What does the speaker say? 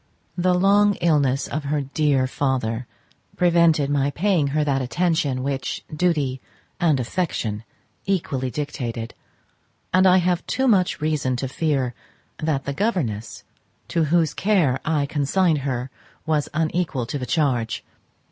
The long illness of her dear father prevented my paying her that attention which duty and affection equally dictated, and I have too much reason to fear that the governess to whose care I consigned her was unequal to the charge.